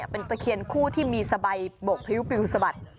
เป็นตะเคียนคู่ที่มีสบายบกพริ้วปริวสะบัด